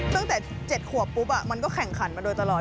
ตั้งแต่๗ขวบปุ๊บมันก็แข่งขันมาโดยตลอด